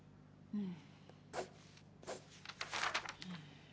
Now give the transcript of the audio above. うん？